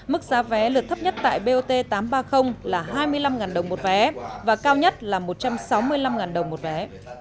mức giá vé lượt thấp nhất tại bot tám trăm ba mươi là hai mươi năm đồng một vé và cao nhất là một trăm sáu mươi năm đồng một vé